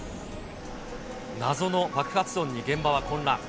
謎の爆発音に現場は混乱。